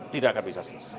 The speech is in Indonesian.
tidak akan bisa selesai